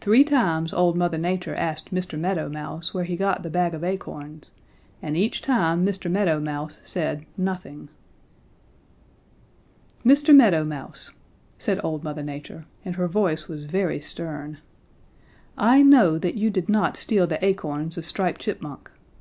"Three times old Mother Nature asked Mr. Meadow Mouse where he got the bag of acorns, and each time Mr. Meadow Mouse said nothing. "'Mr. Meadow Mouse,' said old Mother Nature, and her voice was very stern, 'I know that you did not steal the acorns of Striped Chipmunk.